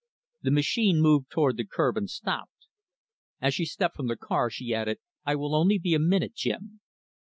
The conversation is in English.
The machine moved toward the curb and stopped. As she stepped from the car, she added, "I will only be a minute, Jim."